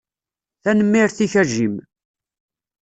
Tanemmirt-ik a Jim.